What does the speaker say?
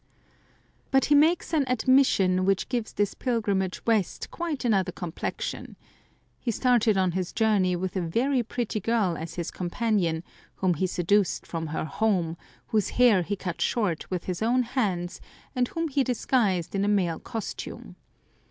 But he makes an admission which gives this pilgrimage West quite another complexion. He started on his journey with a very pretty girl as his companion, whom he seduced from her home, whose hair he cut short with his own hands, and whom he disguised in male costume.